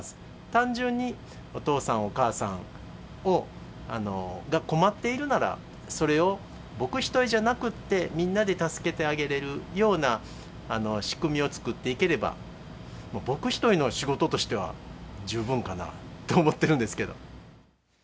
単純にお父さん、お母さんが困っているなら、それを僕一人じゃなくって、みんなで助けてあげれるような仕組みを作っていければ、僕一人の仕事としては、十分かなと思ってるんですけど。